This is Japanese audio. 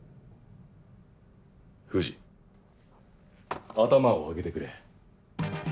藤頭を上げてくれ。